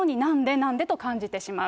なんで？と感じてしまう。